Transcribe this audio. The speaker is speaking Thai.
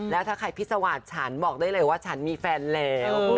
แล้วถ้าใครพิสวาสฉันบอกได้เลยว่าฉันมีแฟนแล้ว